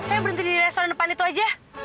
saya berhenti di restoran depan itu aja